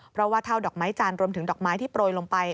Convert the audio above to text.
เพราะว่าเท่าดอกไม้จันทร์รวมถึงดอกไม้ที่โปรยลงไป